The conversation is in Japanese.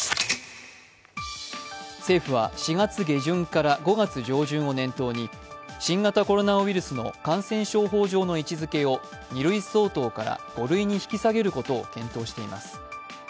政府は４月下旬から５月上旬を念頭に新型コロナウイルスの感染症法上の位置づけを２類相当から５類に引き下げることを検討しています。